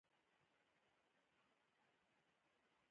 لومړی د ځان سره مینه ولرئ .